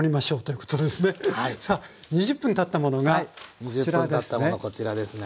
さあ２０分たったものがこちらですね。